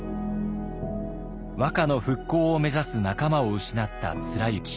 和歌の復興を目指す仲間を失った貫之。